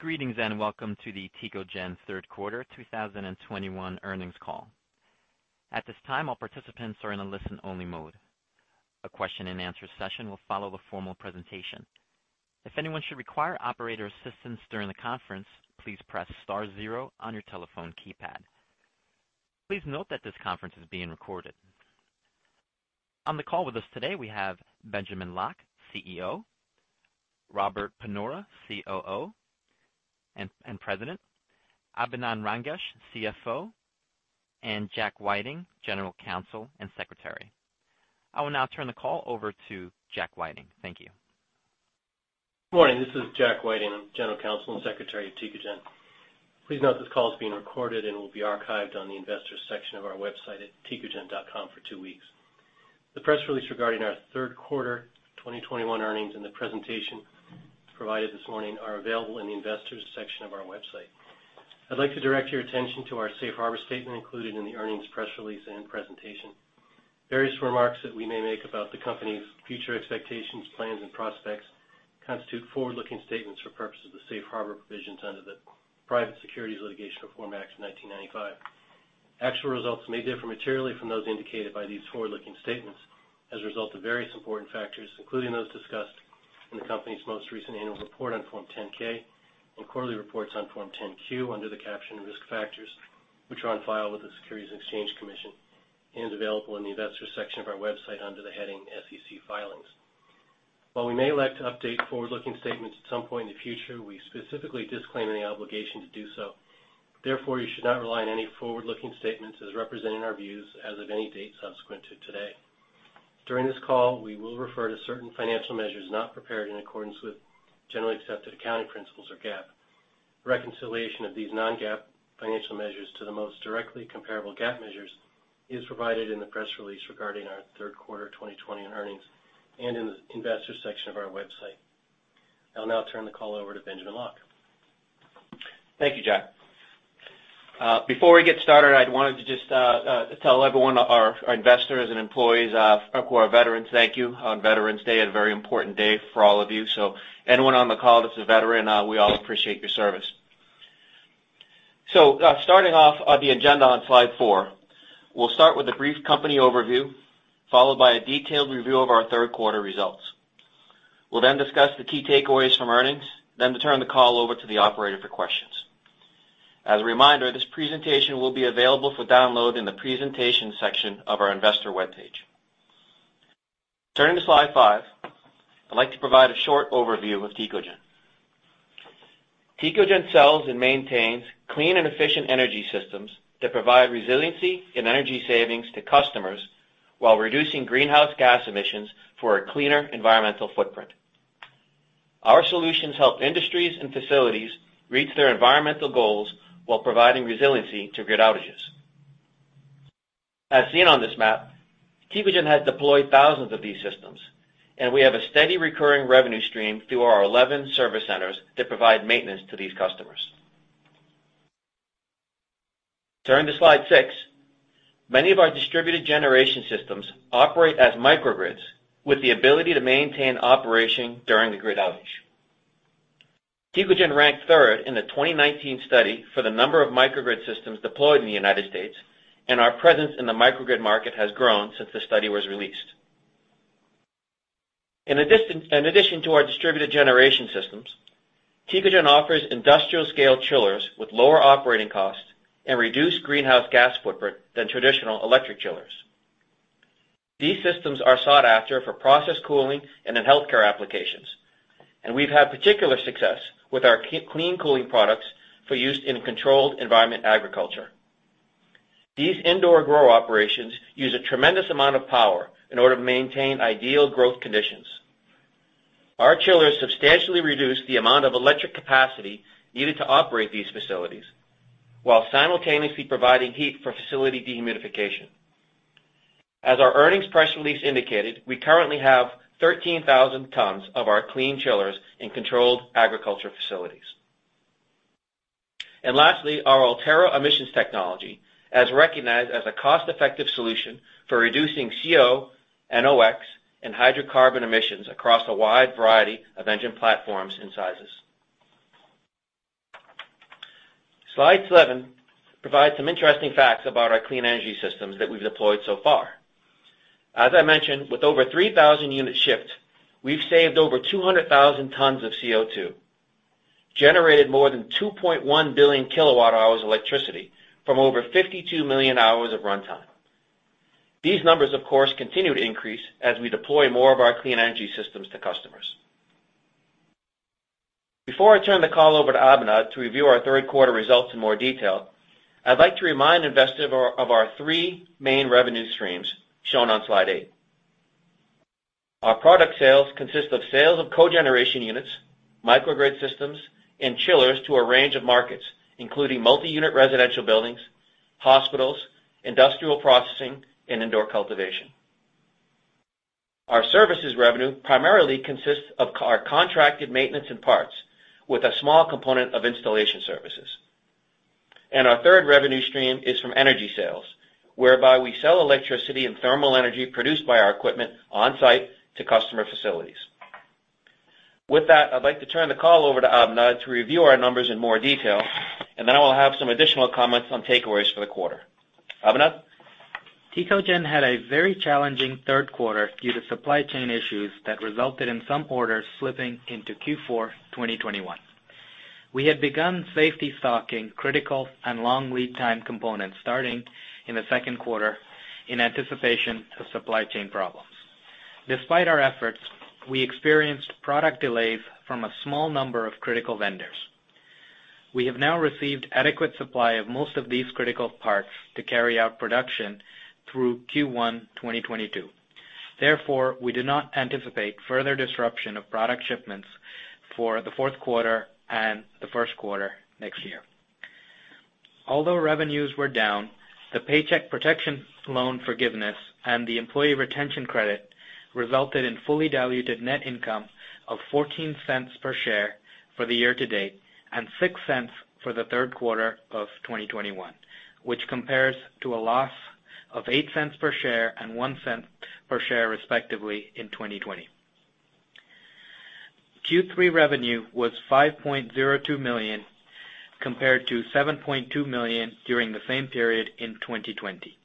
Greetings and welcome to the Tecogen third quarter 2021 earnings call. At this time, all participants are in a listen-only mode. A question and answer session will follow the formal presentation. If anyone should require operator assistance during the conference, please press star zero on your telephone keypad. Please note that this conference is being recorded. On the call with us today, we have Benjamin Locke, CEO, Robert Panora, COO and President, Abinand Rangesh, CFO, and Jack Whiting, General Counsel and Secretary. I will now turn the call over to Jack Whiting. Thank you. Morning. This is Jack Whiting, I'm General Counsel and Secretary of Tecogen. Please note this call is being recorded and will be archived on the investors section of our website at tecogen.com for two weeks. The press release regarding our third quarter 2021 earnings and the presentation provided this morning are available in the investors section of our website. I'd like to direct your attention to our safe harbor statement included in the earnings press release and presentation. Various remarks that we may make about the company's future expectations, plans, and prospects constitute forward-looking statements for purposes of the safe harbor provisions under the Private Securities Litigation Reform Act of 1995. Actual results may differ materially from those indicated by these forward-looking statements as a result of various important factors, including those discussed in the company's most recent annual report on Form 10-K and quarterly reports on Form 10-Q under the caption and risk factors, which are on file with the Securities and Exchange Commission and available in the investor section of our website under the heading SEC Filings. While we may elect to update forward-looking statements at some point in the future, we specifically disclaim any obligation to do so. Therefore, you should not rely on any forward-looking statements as representing our views as of any date subsequent to today. During this call, we will refer to certain financial measures not prepared in accordance with generally accepted accounting principles, or GAAP. Reconciliation of these non-GAAP financial measures to the most directly comparable GAAP measures is provided in the press release regarding our third quarter 2020 earnings and in the investor section of our website. I'll now turn the call over to Benjamin Locke. Thank you, Jack. Before we get started, I wanted to just tell everyone, our investors and employees, who are veterans, thank you on Veterans Day. A very important day for all of you. Anyone on the call that's a veteran, we all appreciate your service. Starting off on the agenda on slide four, we'll start with a brief company overview, followed by a detailed review of our third quarter results. We'll then discuss the key takeaways from earnings, then turn the call over to the operator for questions. As a reminder, this presentation will be available for download in the presentation section of our investor webpage. Turning to slide five, I'd like to provide a short overview of Tecogen. Tecogen sells and maintains clean and efficient energy systems that provide resiliency and energy savings to customers while reducing greenhouse gas emissions for a cleaner environmental footprint. Our solutions help industries and facilities reach their environmental goals while providing resiliency to grid outages. As seen on this map, Tecogen has deployed thousands of these systems, and we have a steady recurring revenue stream through our 11 service centers that provide maintenance to these customers. Turning to slide six. Many of our distributed generation systems operate as microgrids with the ability to maintain operation during a grid outage. Tecogen ranked third in the 2019 study for the number of microgrid systems deployed in the United States, and our presence in the microgrid market has grown since the study was released. In addition to our distributed generation systems, Tecogen offers industrial-scale chillers with lower operating costs and reduced greenhouse gas footprint than traditional electric chillers. These systems are sought after for process cooling and in healthcare applications, and we've had particular success with our clean cooling products for use in controlled environment agriculture. These indoor grow operations use a tremendous amount of power in order to maintain ideal growth conditions. Our chillers substantially reduce the amount of electric capacity needed to operate these facilities while simultaneously providing heat for facility dehumidification. As our earnings press release indicated, we currently have 13,000 tons of our clean chillers in controlled agriculture facilities. Lastly, our Ultera emissions technology is recognized as a cost-effective solution for reducing CO, NOX, and hydrocarbon emissions across a wide variety of engine platforms and sizes. Slide seven provides some interesting facts about our clean energy systems that we've deployed so far. As I mentioned, with over 3,000 units shipped, we've saved over 200,000 tons of CO2, generated more than 2.1 billion kilowatt-hours of electricity from over 52 million hours of runtime. These numbers, of course, continue to increase as we deploy more of our clean energy systems to customers. Before I turn the call over to Abinand to review our third quarter results in more detail, I'd like to remind investors of our three main revenue streams, shown on slide eight. Our product sales consist of sales of cogeneration units, microgrid systems, and chillers to a range of markets, including multi-unit residential buildings, hospitals, industrial processing, and indoor cultivation. Our services revenue primarily consists of our contracted maintenance and parts with a small component of installation services. Our third revenue stream is from energy sales, whereby we sell electricity and thermal energy produced by our equipment on-site to customer facilities. With that, I'd like to turn the call over to Abinand to review our numbers in more detail, and then I will have some additional comments on takeaways for the quarter. Abinand? Tecogen had a very challenging third quarter due to supply chain issues that resulted in some orders slipping into Q4 2021. We had begun safety stocking critical and long lead time components starting in the second quarter in anticipation of supply chain problems. Despite our efforts, we experienced product delays from a small number of critical vendors. We have now received adequate supply of most of these critical parts to carry out production through Q1 2022. We do not anticipate further disruption of product shipments for the fourth quarter and the first quarter next year. Although revenues were down, the Paycheck Protection Loan forgiveness and the employee retention credit resulted in fully diluted net income of $0.14 per share for the year to date, and $0.06 for the third quarter of 2021, which compares to a loss of $0.08 per share and $0.01 per share, respectively in 2020. Q3 revenue was $5.02 million, compared to $7.2 million during the same period in 2020.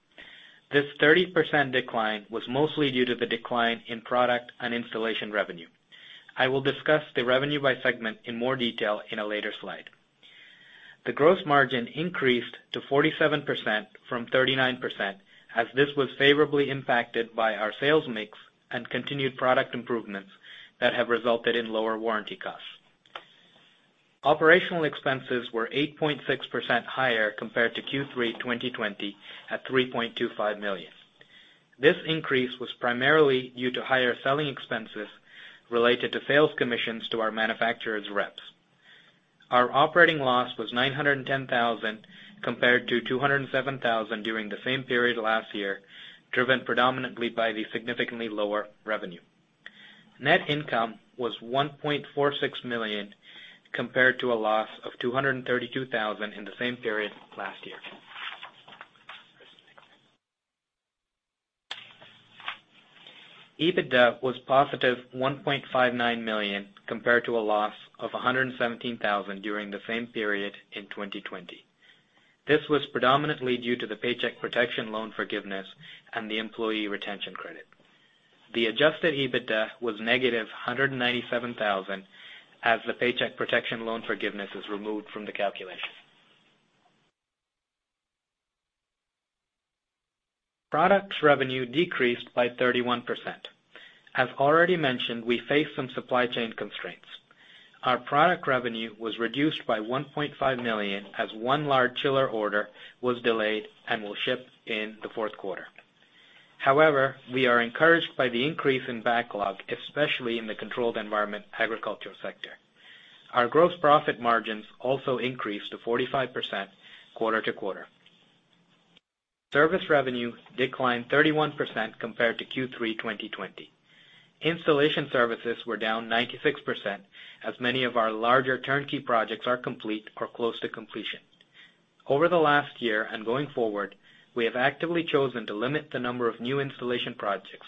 This 30% decline was mostly due to the decline in product and installation revenue. I will discuss the revenue by segment in more detail in a later slide. The gross margin increased to 47% from 39%, as this was favorably impacted by our sales mix and continued product improvements that have resulted in lower warranty costs. Operational expenses were 8.6% higher compared to Q3 2020 at $3.25 million. This increase was primarily due to higher selling expenses related to sales commissions to our manufacturer's reps. Our operating loss was $910,000 compared to $207,000 during the same period last year, driven predominantly by the significantly lower revenue. Net income was $1.46 million, compared to a loss of $232,000 in the same period last year. EBITDA was positive $1.59 million compared to a loss of $117,000 during the same period in 2020. This was predominantly due to the Paycheck Protection Loan forgiveness and the employee retention credit. The adjusted EBITDA was negative $197,000 as the Paycheck Protection Loan forgiveness is removed from the calculation. Products revenue decreased by 31%. As already mentioned, we faced some supply chain constraints. Our product revenue was reduced by $1.5 million as one large chiller order was delayed and will ship in the fourth quarter. We are encouraged by the increase in backlog, especially in the controlled environment agriculture sector. Our gross profit margins also increased to 45% quarter-to-quarter. Service revenue declined 31% compared to Q3 2020. Installation services were down 96%, as many of our larger turnkey projects are complete or close to completion. Over the last year and going forward, we have actively chosen to limit the number of new installation projects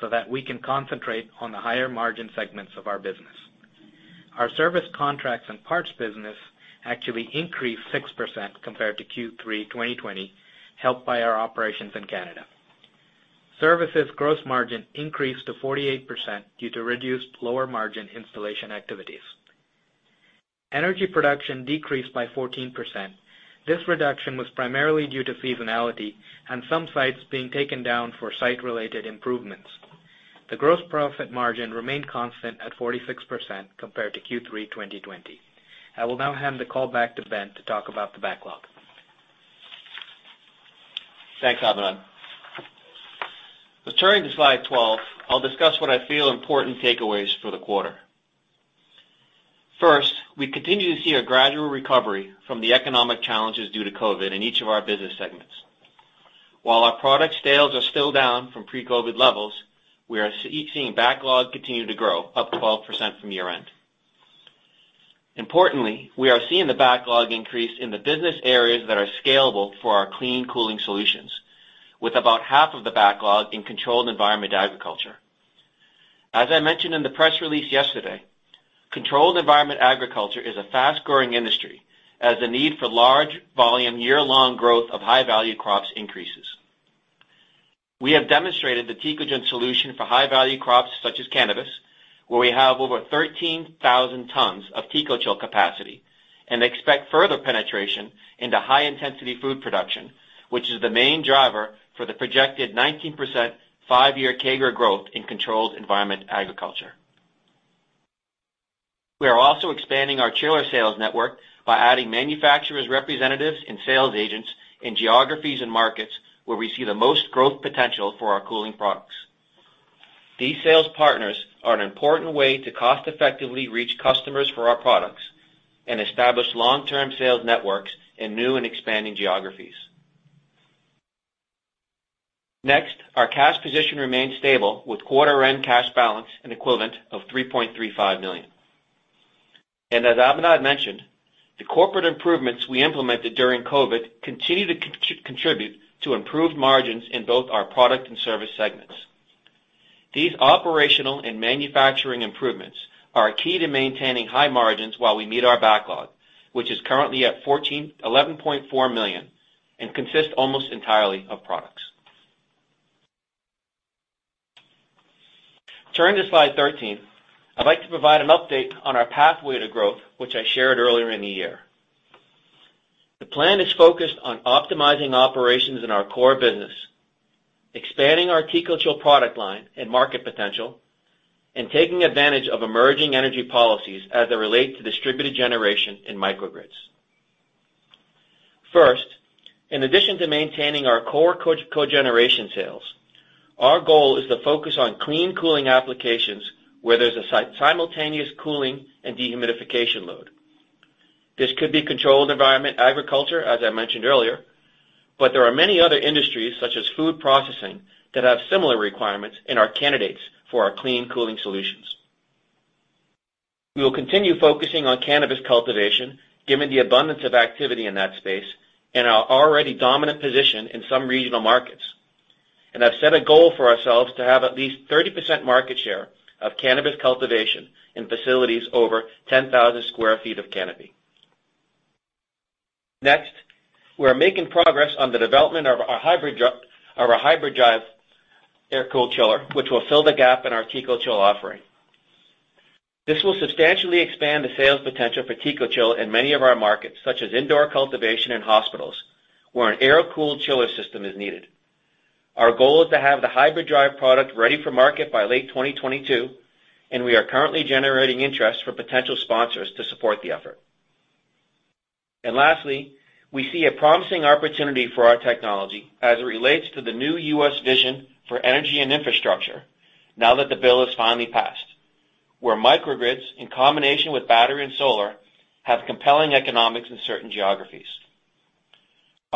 so that we can concentrate on the higher margin segments of our business. Our service contracts and parts business actually increased 6% compared to Q3 2020, helped by our operations in Canada. Services gross margin increased to 48% due to reduced lower margin installation activities. Energy production decreased by 14%. This reduction was primarily due to seasonality and some sites being taken down for site-related improvements. The gross profit margin remained constant at 46% compared to Q3 2020. I will now hand the call back to Ben to talk about the backlog. Thanks, Abinand. Let's turn to slide 12. I'll discuss what I feel important takeaways for the quarter. First, we continue to see a gradual recovery from the economic challenges due to COVID in each of our business segments. While our product sales are still down from pre-COVID levels, we are seeing backlog continue to grow up 12% from year-end. Importantly, we are seeing the backlog increase in the business areas that are scalable for our clean cooling solutions, with about half of the backlog in controlled environment agriculture. As I mentioned in the press release yesterday, controlled environment agriculture is a fast-growing industry as the need for large volume year-long growth of high-value crops increases. We have demonstrated the Tecogen solution for high-value crops such as cannabis, where we have over 13,000 tons of TECOCHILL capacity and expect further penetration into high-intensity food production, which is the main driver for the projected 19% five-year CAGR growth in controlled environment agriculture. We are also expanding our chiller sales network by adding manufacturers' representatives and sales agents in geographies and markets where we see the most growth potential for our cooling products. These sales partners are an important way to cost-effectively reach customers for our products and establish long-term sales networks in new and expanding geographies. Next, our cash position remains stable with quarter-end cash balance and equivalent of $3.35 million. As Abinand mentioned, the corporate improvements we implemented during COVID continue to contribute to improved margins in both our product and service segments. These operational and manufacturing improvements are key to maintaining high margins while we meet our backlog, which is currently at $11.4 million and consists almost entirely of products. Turning to slide 13, I'd like to provide an update on our pathway to growth, which I shared earlier in the year. The plan is focused on optimizing operations in our core business, expanding our Tecogen product line and market potential, and taking advantage of emerging energy policies as they relate to distributed generation in microgrids. First, in addition to maintaining our core cogeneration sales, our goal is to focus on clean cooling applications where there's a simultaneous cooling and dehumidification load. This could be controlled environment agriculture, as I mentioned earlier, but there are many other industries, such as food processing, that have similar requirements and are candidates for our clean cooling solutions. We will continue focusing on cannabis cultivation given the abundance of activity in that space and our already dominant position in some regional markets. I've set a goal for ourselves to have at least 30% market share of cannabis cultivation in facilities over 10,000 sq ft of canopy. Next, we are making progress on the development of our Hybrid-Drive air-cooled chiller, which will fill the gap in our Tecogen offering. This will substantially expand the sales potential for Tecogen in many of our markets, such as indoor cultivation and hospitals, where an air-cooled chiller system is needed. Our goal is to have the Hybrid-Drive product ready for market by late 2022. We are currently generating interest for potential sponsors to support the effort. Lastly, we see a promising opportunity for our technology as it relates to the new U.S. vision for energy and infrastructure now that the bill is finally passed, where microgrids, in combination with battery and solar, have compelling economics in certain geographies.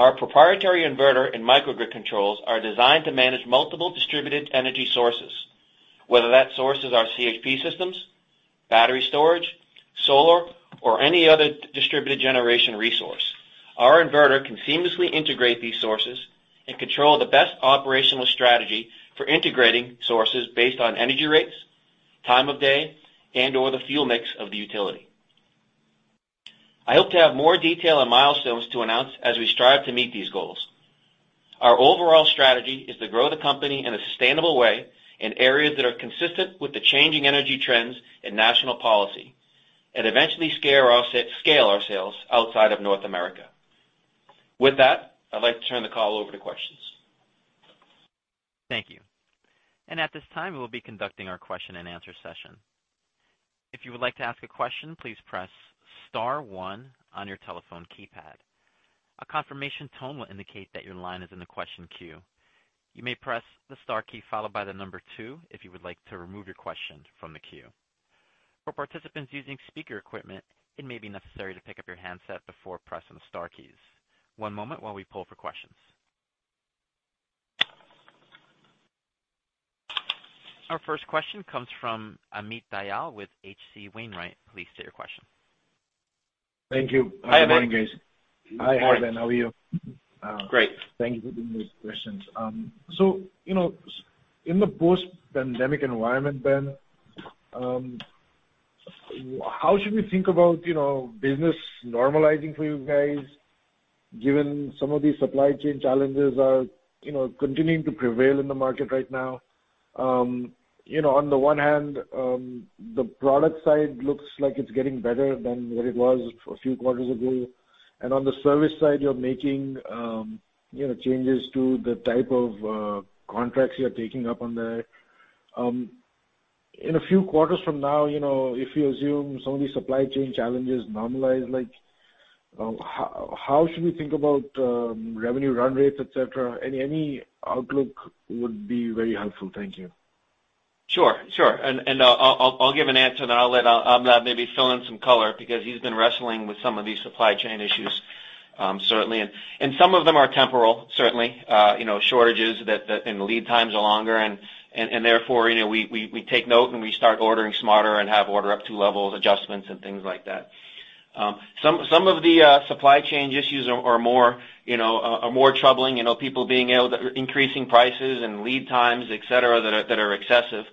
Our proprietary inverter and microgrid controls are designed to manage multiple distributed energy sources, whether that source is our CHP systems, battery storage, solar, or any other distributed generation resource. Our inverter can seamlessly integrate these sources and control the best operational strategy for integrating sources based on energy rates, time of day, and/or the fuel mix of the utility. I hope to have more detail on milestones to announce as we strive to meet these goals. Our overall strategy is to grow the company in a sustainable way in areas that are consistent with the changing energy trends and national policy. Eventually, scale our sales outside of North America. With that, I'd like to turn the call over to questions. Thank you. At this time, we'll be conducting our question and answer session. If you would like to ask a question, please press *1 on your telephone keypad. A confirmation tone will indicate that your line is in the question queue. You may press the star key followed by the number 2 if you would like to remove your question from the queue. For participants using speaker equipment, it may be necessary to pick up your handset before pressing the star keys. One moment while we poll for questions. Our first question comes from Amit Dayal with H.C. Wainwright. Please state your question. Thank you. Hi, Amit. Hi, Ben. How are you? Great. Thank you for taking these questions. In the post-pandemic environment, Ben, how should we think about business normalizing for you guys given some of these supply chain challenges are continuing to prevail in the market right now? On the one hand, the product side looks like it is getting better than what it was a few quarters ago. On the service side, you are making changes to the type of contracts you are taking up on there. In a few quarters from now, if you assume some of these supply chain challenges normalize, how should we think about revenue run rates, et cetera? Any outlook would be very helpful. Thank you. Sure. I will give an answer, then I will let Abinand maybe fill in some color because he has been wrestling with some of these supply chain issues, certainly. Some of them are temporal, certainly, shortages and lead times are longer and therefore, we take note, and we start ordering smarter and have order up 2 levels adjustments and things like that. Some of the supply chain issues are more troubling, people increasing prices and lead times, et cetera, that are excessive.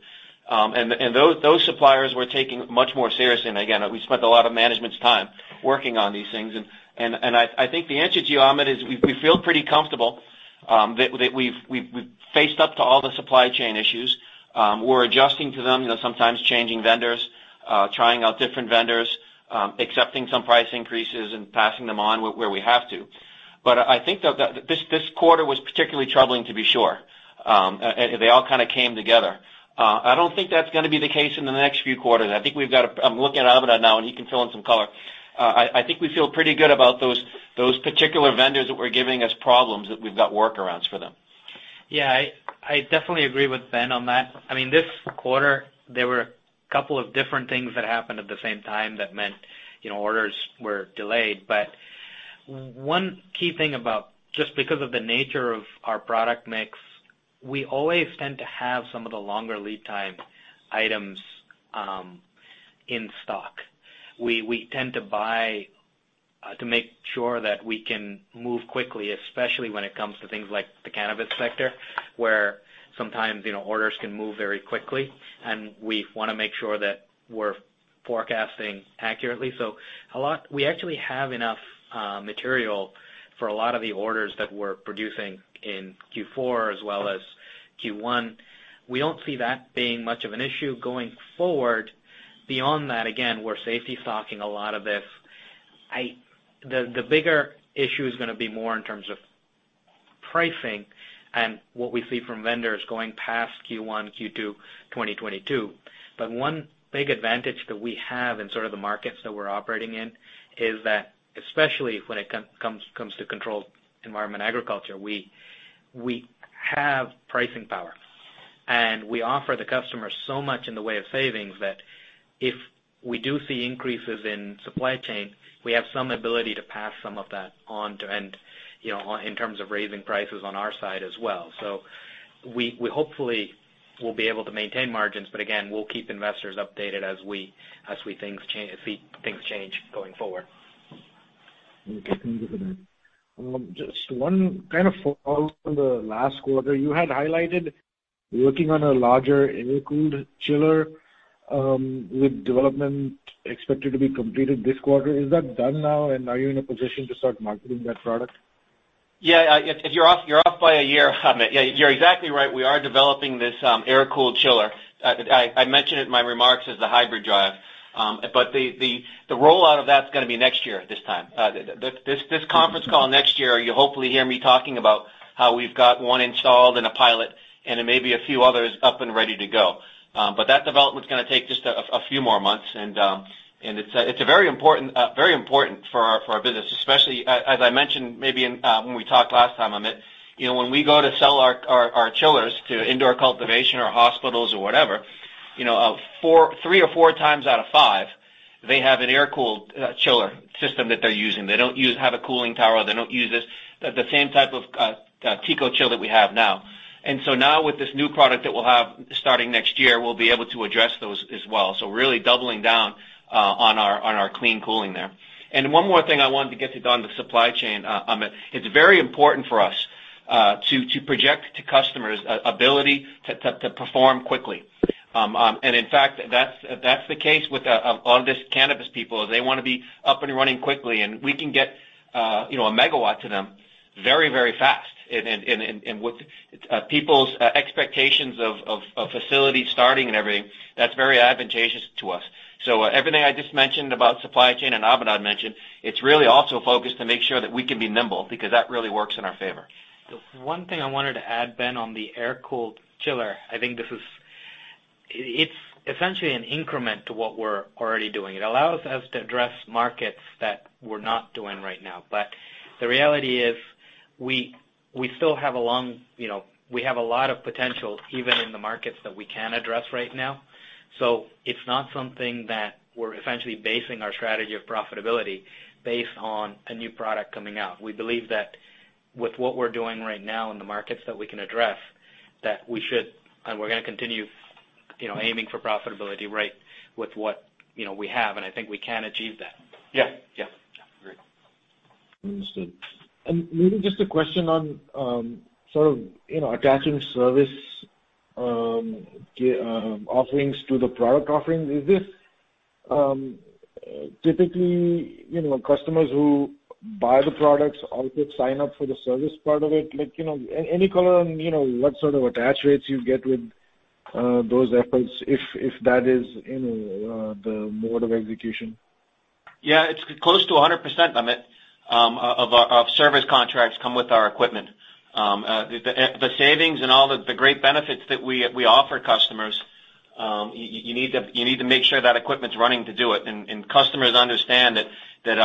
Those suppliers we are taking much more seriously. Again, we spent a lot of management's time working on these things. I think the answer to you, Amit, is we feel pretty comfortable that we have faced up to all the supply chain issues. We are adjusting to them, sometimes changing vendors, trying out different vendors, accepting some price increases, and passing them on where we have to. I think that this quarter was particularly troubling, to be sure. They all kind of came together. I do not think that is going to be the case in the next few quarters. I am looking at Abinand now, and he can fill in some color. I think we feel pretty good about those particular vendors that were giving us problems, that we have got workarounds for them. Yeah, I definitely agree with Ben on that. This quarter, there were a couple of different things that happened at the same time that meant orders were delayed. One key thing about, just because of the nature of our product mix, we always tend to have some of the longer lead time items in stock. We tend to buy to make sure that we can move quickly, especially when it comes to things like the cannabis sector, where sometimes orders can move very quickly, and we want to make sure that we are forecasting accurately. We actually have enough material for a lot of the orders that we are producing in Q4 as well as Q1. We do not see that being much of an issue going forward. Beyond that, again, we are safety stocking a lot of this. One big advantage that we have in sort of the markets that we're operating in is that, especially when it comes to controlled environment agriculture, we have pricing power. We offer the customer so much in the way of savings that if we do see increases in supply chain, we have some ability to pass some of that on, in terms of raising prices on our side as well. We hopefully will be able to maintain margins, but again, we'll keep investors updated as we see things change going forward. Okay. Thank you for that. Just one kind of follow from the last quarter. You had highlighted working on a larger air-cooled chiller, with development expected to be completed this quarter. Is that done now, and are you in a position to start marketing that product? Yeah. You're off by a year, Amit. You're exactly right. We are developing this air-cooled chiller. I mentioned it in my remarks as the Hybrid-Drive. The rollout of that's going to be next year at this time. This conference call next year, you'll hopefully hear me talking about how we've got one installed and a pilot, and then maybe a few others up and ready to go. That development's going to take just a few more months, and it's very important for our business, especially, as I mentioned, maybe when we talked last time, Amit, when we go to sell our chillers to indoor cultivation or hospitals or whatever, three or four times out of five, they have an air-cooled chiller system that they're using. They don't have a cooling tower. They don't use the same type of TECOCHILL that we have now. Now with this new product that we'll have starting next year, we'll be able to address those as well. Really doubling down on our clean cooling there. One more thing I wanted to get to, on the supply chain, Amit. It's very important for us to project to customers ability to perform quickly. In fact, that's the case with all these cannabis people, is they want to be up and running quickly, and we can get a megawatt to them very fast. With people's expectations of facilities starting and everything, that's very advantageous to us. Everything I just mentioned about supply chain, and Abhinav mentioned, it's really also focused to make sure that we can be nimble, because that really works in our favor. The one thing I wanted to add, Ben, on the air-cooled chiller, I think it's essentially an increment to what we're already doing. It allows us to address markets that we're not doing right now. The reality is we still have a lot of potential even in the markets that we can address right now. It's not something that we're essentially basing our strategy of profitability based on a new product coming out. We believe that with what we're doing right now in the markets that we can address, that we should, and we're going to continue aiming for profitability right with what we have, and I think we can achieve that. Yeah. Yeah. Yeah. Agreed. Understood. Maybe just a question on sort of attaching service offerings to the product offerings. Is this typically customers who buy the products also sign up for the service part of it? Any color on what sort of attach rates you get with those efforts, if that is the mode of execution? Yeah. It's close to 100%, Amit, of service contracts come with our equipment. The savings and all the great benefits that we offer customers, you need to make sure that equipment's running to do it, and customers understand that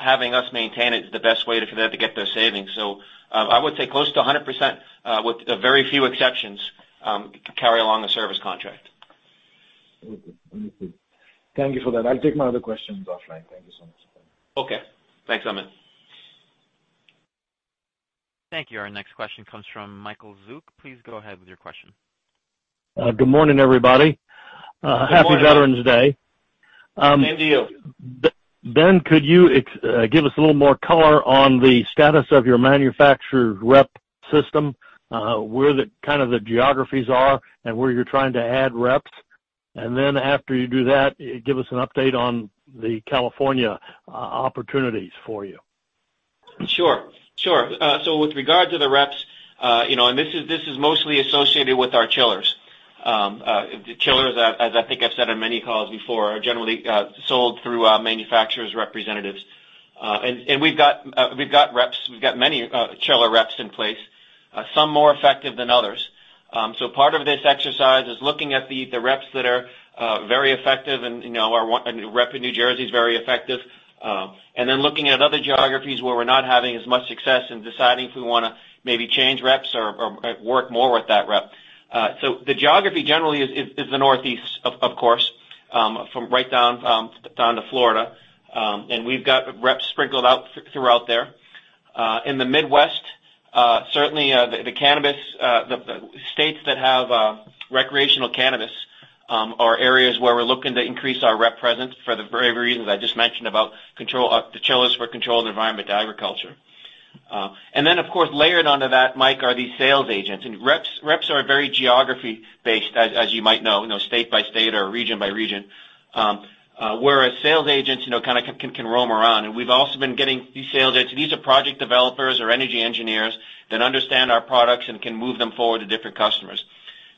having us maintain it is the best way for them to get those savings. I would say close to 100%, with a very few exceptions, carry along a service contract. Okay. Thank you for that. I'll take my other questions offline. Thank you so much. Okay. Thanks, Amit. Thank you. Our next question comes from Michael Zuk. Please go ahead with your question. Good morning, everybody. Good morning. Happy Veterans Day. Same to you. Ben, could you give us a little more color on the status of your manufacturer rep system, where the kind of the geographies are and where you're trying to add reps? After you do that, give us an update on the California opportunities for you. Sure. With regard to the reps, this is mostly associated with our chillers. The chillers, as I think I've said on many calls before, are generally sold through our manufacturers' representatives. We've got reps. We've got many chiller reps in place, some more effective than others. Part of this exercise is looking at the reps that are very effective, and a rep in New Jersey is very effective. Then looking at other geographies where we're not having as much success and deciding if we want to maybe change reps or work more with that rep. The geography generally is the Northeast, of course, from right down to Florida. We've got reps sprinkled out throughout there. In the Midwest, certainly the states that have recreational cannabis are areas where we're looking to increase our rep presence for the very reasons I just mentioned about the chillers for controlled environment agriculture. Then, of course, layered onto that, Mike, are these sales agents. Reps are very geography-based, as you might know, state by state or region by region, whereas sales agents can roam around. We've also been getting these sales agents. These are project developers or energy engineers that understand our products and can move them forward to different customers.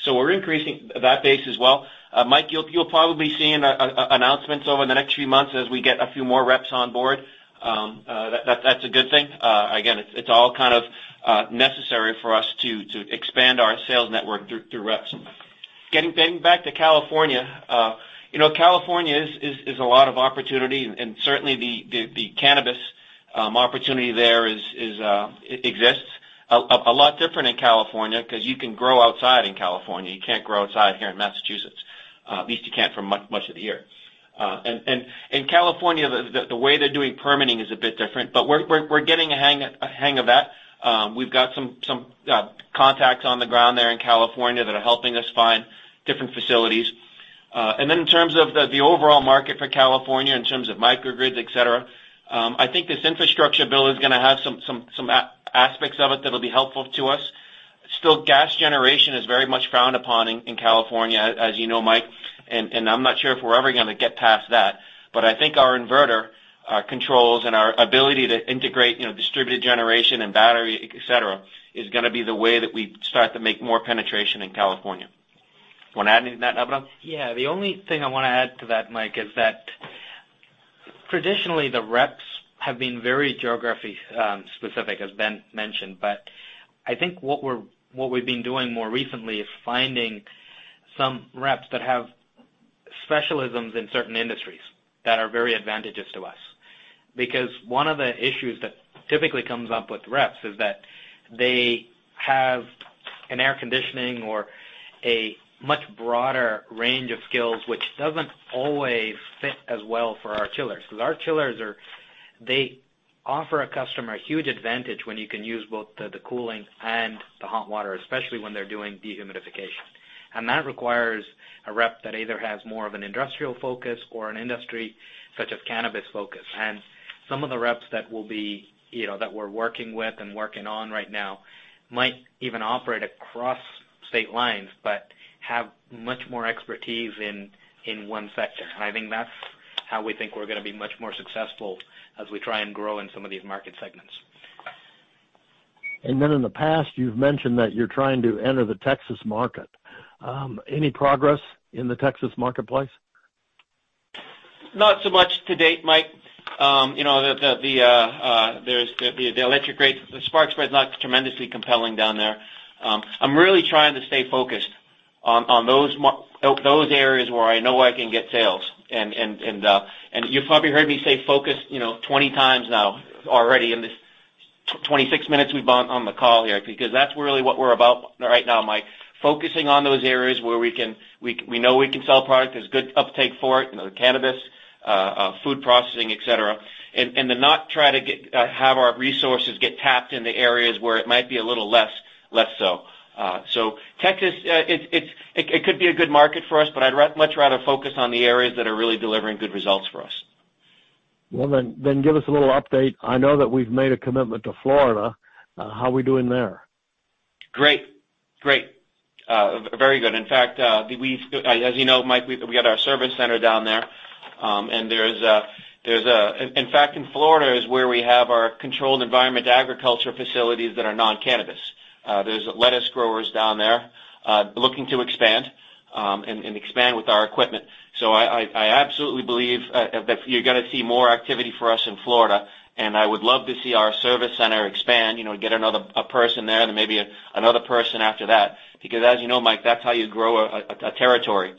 We're increasing that base as well. Mike, you'll probably see announcements over the next few months as we get a few more reps on board. That's a good thing. Again, it's all kind of necessary for us to expand our sales network through reps. Getting back to California. California is a lot of opportunity, and certainly the cannabis opportunity there exists. A lot different in California, because you can grow outside in California. You can't grow outside here in Massachusetts, at least you can't for much of the year. In California, the way they're doing permitting is a bit different, but we're getting a hang of that. We've got some contacts on the ground there in California that are helping us find different facilities. Then in terms of the overall market for California, in terms of microgrids, et cetera, I think this infrastructure bill is going to have some aspects of it that'll be helpful to us. Still, gas generation is very much frowned upon in California, as you know, Mike, and I'm not sure if we're ever going to get past that. I think our inverter controls and our ability to integrate distributed generation and battery, et cetera, is going to be the way that we start to make more penetration in California. You want to add anything to that, Abhinav? The only thing I want to add to that, Mike, is that traditionally the reps have been very geography-specific, as Ben mentioned. I think what we've been doing more recently is finding some reps that have specialisms in certain industries that are very advantageous to us. One of the issues that typically comes up with reps is that they have an air conditioning or a much broader range of skills, which doesn't always fit as well for our chillers. Our chillers offer a customer a huge advantage when you can use both the cooling and the hot water, especially when they're doing dehumidification. That requires a rep that either has more of an industrial focus or an industry such as cannabis focus. Some of the reps that we're working with and working on right now might even operate across state lines but have much more expertise in one sector. I think that's how we think we're going to be much more successful as we try and grow in some of these market segments. In the past, you've mentioned that you're trying to enter the Texas market. Any progress in the Texas marketplace? Not so much to date, Mike. The electric rate, the spark spread is not tremendously compelling down there. I'm really trying to stay focused on those areas where I know I can get sales. You've probably heard me say focus 20 times now already in the 26 minutes we've been on the call here, that's really what we're about right now, Mike. Focusing on those areas where we know we can sell product, there's good uptake for it, the cannabis, food processing, et cetera, and to not try to have our resources get tapped in the areas where it might be a little less so. Texas, it could be a good market for us, but I'd much rather focus on the areas that are really delivering good results for us. Well, give us a little update. I know that we've made a commitment to Florida. How are we doing there? Great. Very good. In fact, as you know, Mike, we've got our service center down there. In fact, in Florida is where we have our controlled environment agriculture facilities that are non-cannabis. There's lettuce growers down there looking to expand, and expand with our equipment. I absolutely believe that you're going to see more activity for us in Florida, and I would love to see our service center expand, get a person there, then maybe another person after that. Because as you know, Mike, that's how you grow a territory.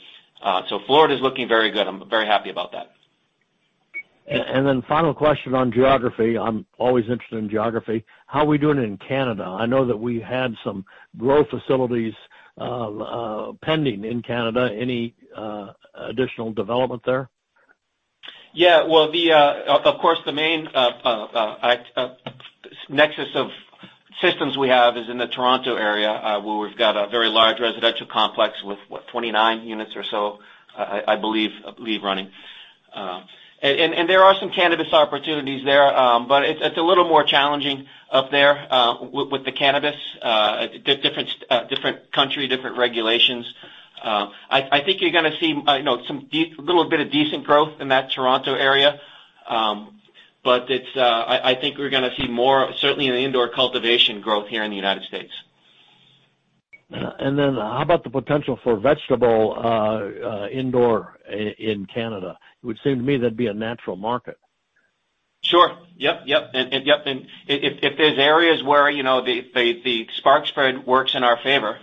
Florida's looking very good. I'm very happy about that. Final question on geography. I'm always interested in geography. How are we doing in Canada? I know that we had some growth facilities pending in Canada. Any additional development there? Well, of course, the main nexus of systems we have is in the Toronto area, where we've got a very large residential complex with, what, 29 units or so, I believe, running. There are some cannabis opportunities there, but it's a little more challenging up there with the cannabis. Different country, different regulations. I think you're going to see a little bit of decent growth in that Toronto area, but I think we're going to see more, certainly in the indoor cultivation growth here in the U.S. How about the potential for vegetable indoor in Canada? It would seem to me that'd be a natural market. Sure. Yep. If there's areas where the spark spread works in our favor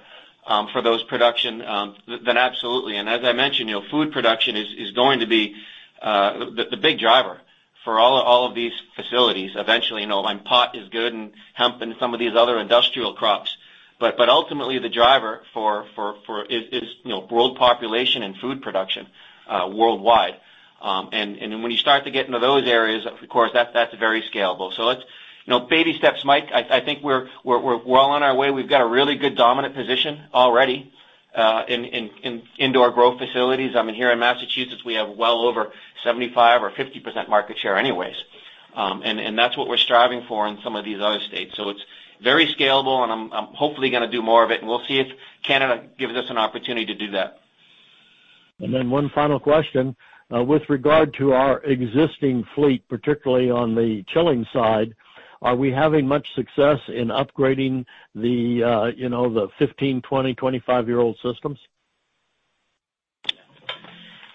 for those production, then absolutely. As I mentioned, food production is going to be the big driver for all of these facilities, eventually, pot is good and hemp and some of these other industrial crops. Ultimately, the driver is world population and food production worldwide. When you start to get into those areas, of course, that's very scalable. It's baby steps, Mike. I think we're well on our way. We've got a really good dominant position already in indoor growth facilities. I mean, here in Massachusetts, we have well over 75% or 50% market share anyways. That's what we're striving for in some of these other states. It's very scalable, and I'm hopefully going to do more of it, and we'll see if Canada gives us an opportunity to do that. One final question. With regard to our existing fleet, particularly on the chilling side, are we having much success in upgrading the 15, 20, 25-year-old systems?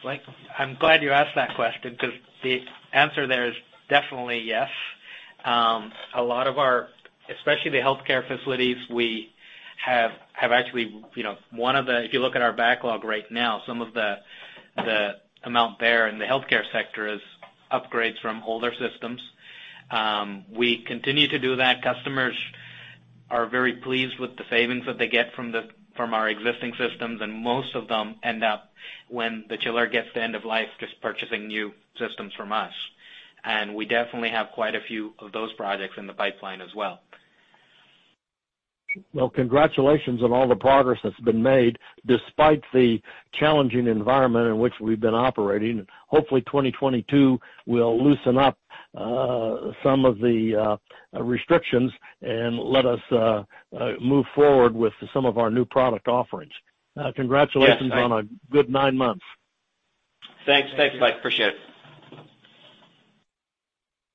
Mike, I'm glad you asked that question because the answer there is definitely yes. A lot of our, especially the healthcare facilities, if you look at our backlog right now, some of the amount there in the healthcare sector is upgrades from older systems. We continue to do that. Customers are very pleased with the savings that they get from our existing systems, and most of them end up, when the chiller gets to end of life, just purchasing new systems from us. We definitely have quite a few of those projects in the pipeline as well. Well, congratulations on all the progress that's been made despite the challenging environment in which we've been operating. Hopefully, 2022 will loosen up some of the restrictions and let us move forward with some of our new product offerings. Yes, Mike. Congratulations on a good nine months. Thanks, Mike. Appreciate it.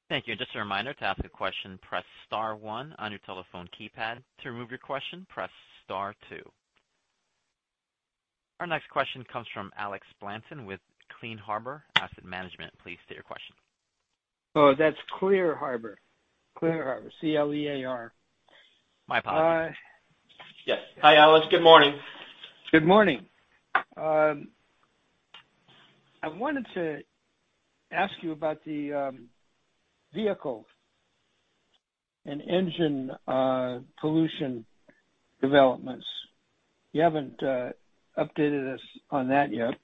Thank you. Just a reminder, to ask a question, press star one on your telephone keypad. To remove your question, press star two. Our next question comes from Alex Blanton with Clear Harbor Asset Management. Please state your question. Oh, that's Clear Harbor. C-L-E-A-R. My apologies. Yes. Hi, Alex. Good morning. Good morning. I wanted to ask you about the vehicle and engine pollution developments. You haven't updated us on that yet.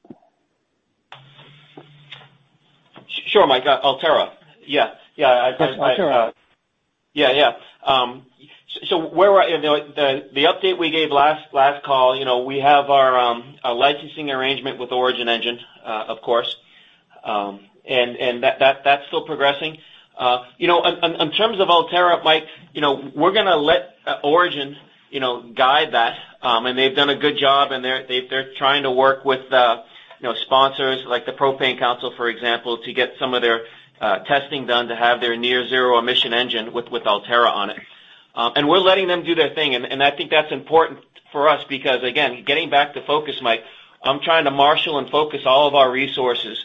Sure, Mike. Ultera. Yeah. Yes, Ultera. Yeah. So the update we gave last call, we have our licensing arrangement with Origin Engines, of course. That's still progressing. In terms of Ultera, Mike, we're gonna let Origin guide that. They've done a good job, and they're trying to work with sponsors like the Propane Council, for example, to get some of their testing done to have their near zero emission engine with Ultera on it. We're letting them do their thing, and I think that's important for us because, again, getting back to focus, Mike, I'm trying to marshal and focus all of our resources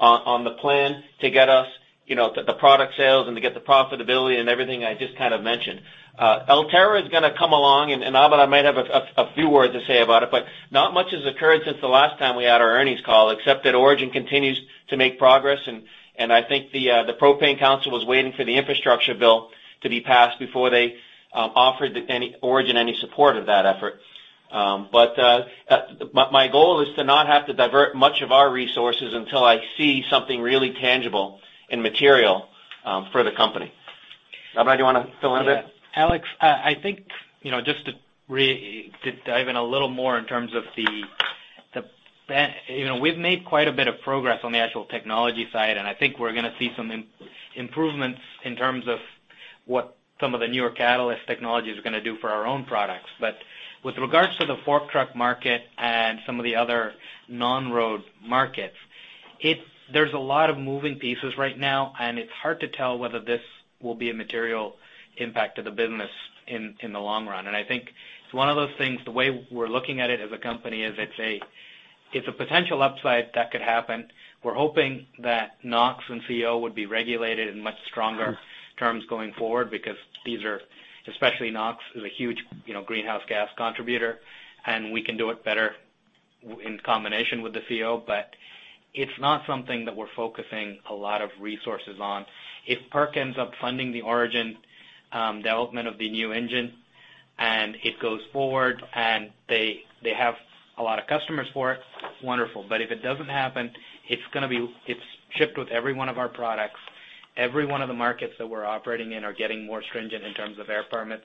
on the plan to get us the product sales and to get the profitability and everything I just kind of mentioned. Ultera is gonna come along. Abhinav might have a few words to say about it, but not much has occurred since the last time we had our earnings call, except that Origin continues to make progress. I think the Propane Council was waiting for the infrastructure bill to be passed before they offered Origin any support of that effort. My goal is to not have to divert much of our resources until I see something really tangible and material for the company. Abhinav, do you want to fill in a bit? Alex, I think just to dive in a little more in terms of, we've made quite a bit of progress on the actual technology side. I think we're gonna see some improvements in terms of what some of the newer catalyst technologies are gonna do for our own products. With regards to the fork truck market and some of the other non-road markets, there's a lot of moving pieces right now, and it's hard to tell whether this will be a material impact to the business in the long run. I think it's one of those things, the way we're looking at it as a company is it's a potential upside that could happen. We're hoping that NOX and CO would be regulated in much stronger terms going forward because these are, especially NOX, is a huge greenhouse gas contributor, and we can do it better in combination with the CO. It's not something that we're focusing a lot of resources on. If PERC ends up funding the Origin development of the new engine and it goes forward, and they have a lot of customers for it, wonderful. If it doesn't happen, it's shipped with every one of our products. Every one of the markets that we're operating in are getting more stringent in terms of air permits.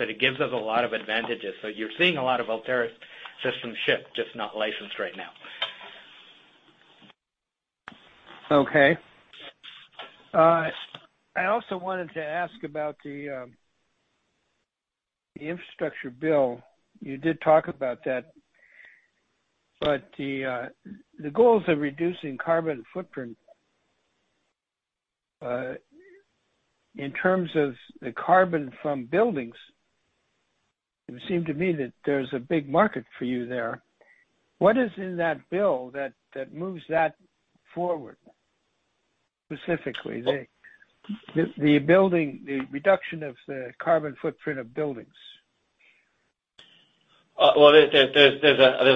It gives us a lot of advantages. You're seeing a lot of Ultera systems ship, just not licensed right now. Okay. I also wanted to ask about the infrastructure bill. You did talk about that. The goals of reducing carbon footprint, in terms of the carbon from buildings, it would seem to me that there's a big market for you there. What is in that bill that moves that forward, specifically? The reduction of the carbon footprint of buildings. Well, there's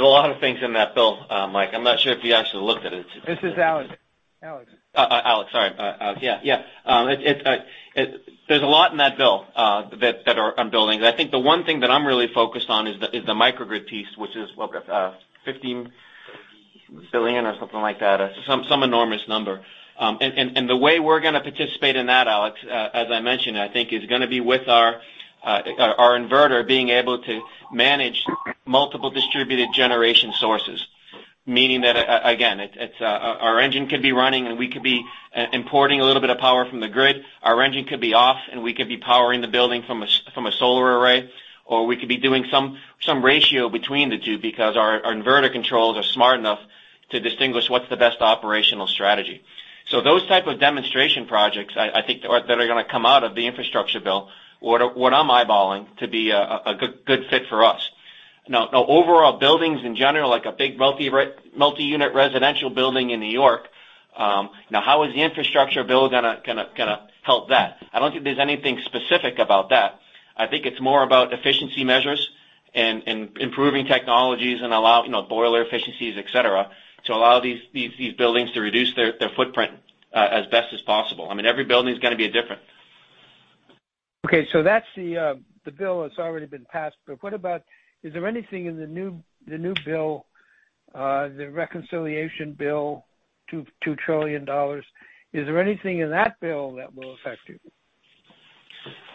a lot of things in that bill, Mike. I'm not sure if you actually looked at it. This is Alex. Alex, sorry. There's a lot in that bill, that are on buildings. I think the one thing that I'm really focused on is the microgrid piece, which is, what, $15 billion or something like that? Some enormous number. The way we're going to participate in that, Alex, as I mentioned, I think is going to be with our inverter being able to manage multiple distributed generation sources. Meaning that, again, our engine could be running and we could be importing a little bit of power from the grid. Our engine could be off, and we could be powering the building from a solar array, or we could be doing some ratio between the two because our inverter controls are smart enough to distinguish what's the best operational strategy. Those type of demonstration projects, I think that are going to come out of the Infrastructure Bill, what I'm eyeballing to be a good fit for us. Overall buildings in general, like a big multi-unit residential building in N.Y., how is the Infrastructure Bill going to help that? I don't think there's anything specific about that. I think it's more about efficiency measures and improving technologies and allow boiler efficiencies, et cetera, to allow these buildings to reduce their footprint as best as possible. Every building's going to be different. That's the bill that's already been passed. Is there anything in the new bill, the Reconciliation Bill, $2 trillion, is there anything in that bill that will affect you?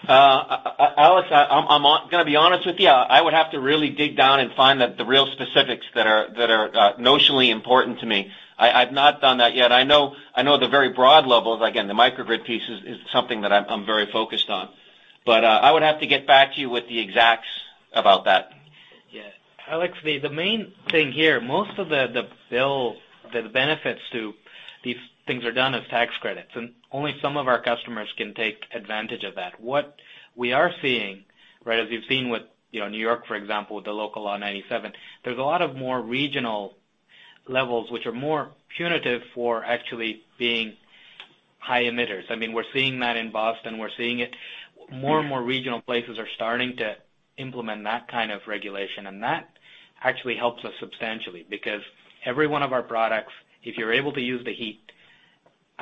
Alex, I'm going to be honest with you. I would have to really dig down and find the real specifics that are notionally important to me. I've not done that yet. I know the very broad levels. Again, the microgrid piece is something that I'm very focused on. I would have to get back to you with the exacts about that. Alex, the main thing here, most of the bill, the benefits to these things are done as tax credits, only some of our customers can take advantage of that. What we are seeing, as we've seen with N.Y., for example, with the Local Law 97, there's a lot of more regional levels which are more punitive for actually being high emitters. We're seeing that in Boston. More and more regional places are starting to implement that kind of regulation, that actually helps us substantially because every one of our products, if you're able to use the heat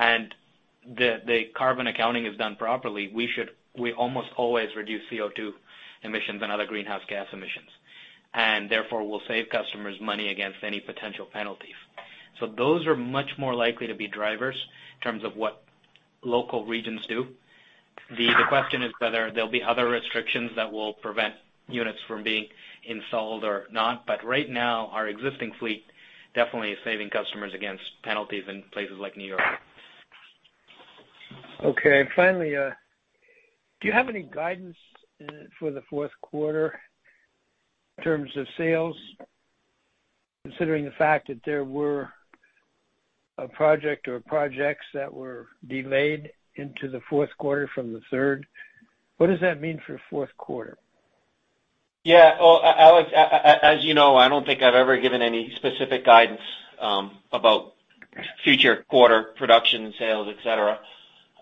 and the carbon accounting is done properly, we almost always reduce CO2 emissions and other greenhouse gas emissions. Therefore, we'll save customers money against any potential penalties. Those are much more likely to be drivers in terms of what local regions do. The question is whether there'll be other restrictions that will prevent units from being installed or not. Right now, our existing fleet definitely is saving customers against penalties in places like New York. Okay. Finally, do you have any guidance for the fourth quarter in terms of sales, considering the fact that there were a project or projects that were delayed into the fourth quarter from the third? What does that mean for fourth quarter? Yeah. Well, Alex, as you know, I don't think I've ever given any specific guidance about future quarter production sales, et cetera.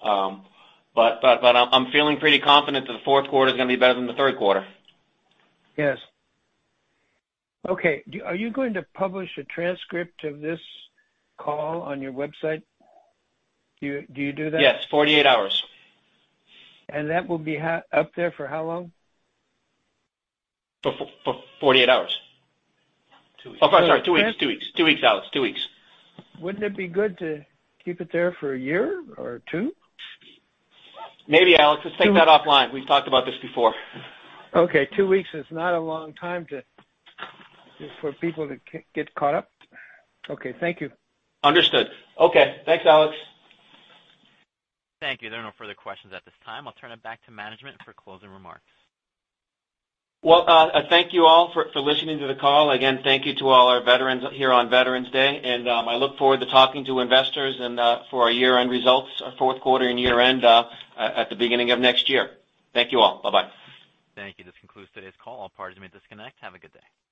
I'm feeling pretty confident that the fourth quarter is going to be better than the third quarter. Yes. Okay. Are you going to publish a transcript of this call on your website? Do you do that? Yes, 48 hours. That will be up there for how long? For 48 hours. Two weeks. Okay, sorry, two weeks, Alex. Wouldn't it be good to keep it there for a year or two? Maybe, Alex. Let's take that offline. We've talked about this before. Okay, two weeks is not a long time for people to get caught up. Okay. Thank you. Understood. Okay. Thanks, Alex. Thank you. There are no further questions at this time. I'll turn it back to management for closing remarks. Well, thank you all for listening to the call. Again, thank you to all our veterans here on Veterans Day, and I look forward to talking to investors and for our year-end results, our fourth quarter and year-end, at the beginning of next year. Thank you all. Bye-bye. Thank you. This concludes today's call. All parties may disconnect. Have a good day.